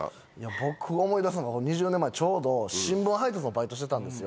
僕思い出すのは、２０年前、ちょうど新聞配達のバイトしてたんですよ。